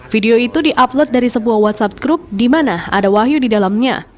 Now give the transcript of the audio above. video itu di upload dari sebuah whatsapp group di mana ada wahyu di dalamnya